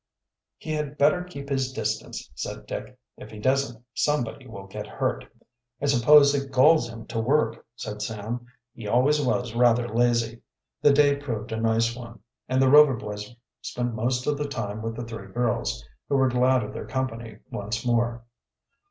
"He had better keep his distance," said Dick. "If he doesn't, somebody will get hurt." "I suppose it galls him to work," said Sam. "He always was rather lazy." The day proved a nice one, and the Rover boys spent most of the time with the three girls, who were glad of their company once more.